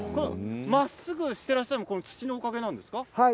まっすぐしていらっしゃるのは土のおかげなんですか？